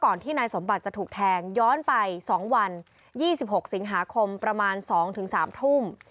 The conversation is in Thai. ที่นายสมบัติจะถูกแทงย้อนไป๒วัน๒๖สิงหาคมประมาณ๒๓ทุ่ม